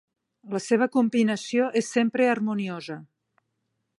La seva combinació és sempre harmoniosa.